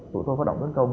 tụi tôi phát động tấn công